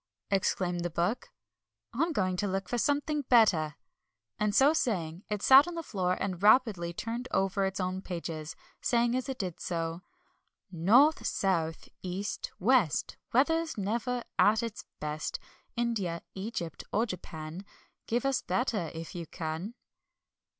exclaimed the Book. "I'm going to look for something better," and so saying, it sat on the floor and rapidly turned over its own pages, saying as it did so: "North, South, East, West, Weather's never at its best. India, Egypt, or Japan, Give us better, if you can."